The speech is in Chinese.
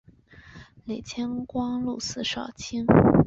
累迁光禄寺少卿。